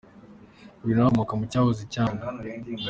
Uyu nawe, akomoka mu cyahoze ari Cyangugu.